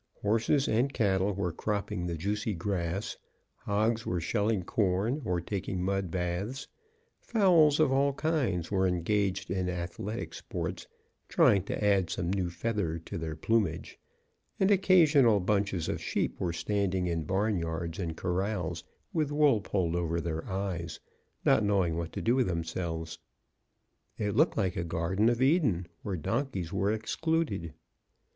Horses and cattle were cropping the juicy grass, hogs were shelling corn or taking mud baths, fowls of all kinds were engaged in athletic sports trying to add some new feather to their plumage, and occasional bunches of sheep were standing in barnyards and corrals with wool pulled over their eyes, not knowing what to do with themselves. It looked like a Garden of Eden, where donkeys were excluded.